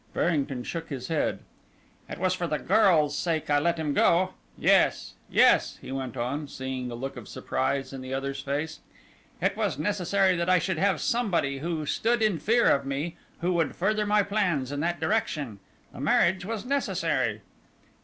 Farrington shook his head. "It was for the girl's sake I let him go. Yes, yes," he went on, seeing the look of surprise in the other's face, "it was necessary that I should have somebody who stood in fear of me, who would further my plans in that direction. The marriage was necessary."